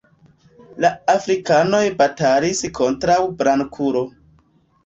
La Afrikanoj batalis kontraŭ Blankulo.